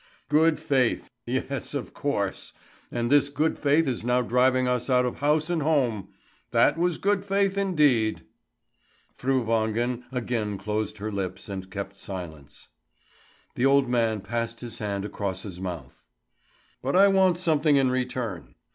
"Good faith! Yes, of course! And this good faith is now driving us out of house and home. That was good faith indeed!" Fru Wangen again closed her lips and kept silence. The old man passed his hand across his mouth. "But I want something in return.